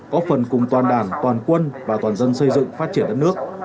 có phần cùng toàn đảng toàn quân và toàn dân xây dựng phát triển đất nước